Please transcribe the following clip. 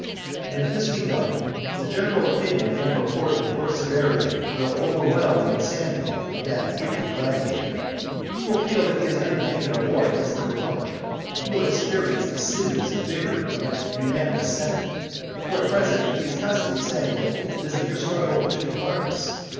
And if this be done, the general opinion and report of your severity will overwhelm the insanity of that wicked gladiator. He will feel that he has undertaken a war against the republic, he will experience the sinews and vigour of a unanimous senate For at present he is constantly saying that it is a mere struggle between parties.